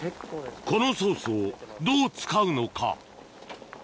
このソースをどう使うのか？